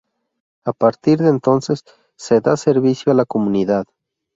A partir de entonces se da servicio a la comunidad.